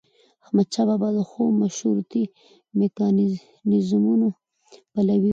احمدشاه بابا د ښو مشورتي میکانیزمونو پلوي و.